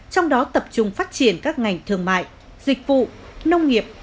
trong đó tập trung phát triển các ngành thương mại dịch vụ nông nghiệp